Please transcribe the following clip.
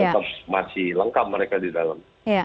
tetap masih lengkap mereka di dalam